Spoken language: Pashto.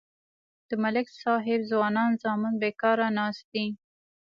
د ملک صاحب ځوانان زامن بیکار ناست دي.